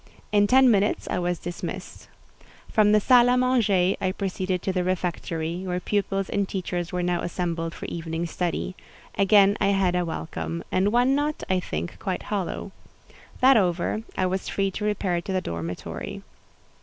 In ten minutes I was dismissed. From the salle à manger I proceeded to the refectory, where pupils and teachers were now assembled for evening study: again I had a welcome, and one not, I think, quite hollow. That over, I was free to repair to the dormitory.